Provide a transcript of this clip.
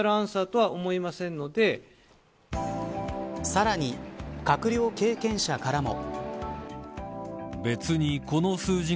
さらに、閣僚経験者からも。